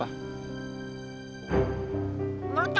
yang mana aku tau